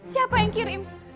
siapa yang kirim